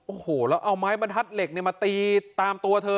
โอ้โหแล้วเอาไม้บรรทัดเหล็กมาตีตามตัวเธอ